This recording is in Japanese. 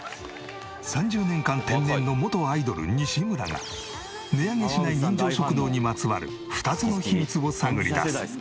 ３０年間天然の元アイドル西村が値上げしない人情食堂にまつわる２つの秘密を探り出す。